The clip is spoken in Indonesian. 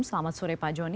selamat sore pak jonny